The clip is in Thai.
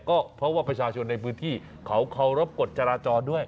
ก็เพราะว่าประชาชนในพื้นที่เขาเคารพกฎจราจรด้วย